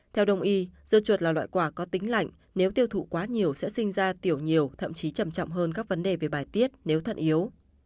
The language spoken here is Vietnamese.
theo đồng y dưa chuột là loại quả có tính lạnh nếu tiêu thụ quá nhiều sẽ sinh ra tiểu nhiều thậm chí trầm trọng hơn các vấn đề về bài tiết nếu thận yếu